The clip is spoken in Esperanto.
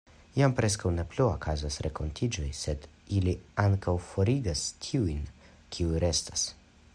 Jam preskaŭ ne plu okazas renkontiĝoj, sed ili ankaŭ forigas tiujn, kiuj restas.